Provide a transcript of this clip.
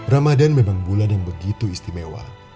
ramadan memang bulan yang begitu istimewa